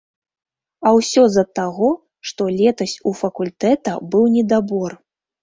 А ўсё з-за таго, што летась у факультэта быў недабор.